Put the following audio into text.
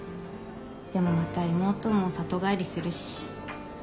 でもまた妹も里帰りするし。